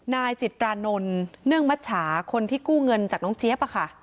นายจิตรานนท์เนื่องมัชชาคนที่กู้เงินจากน้องเจี๊ยบ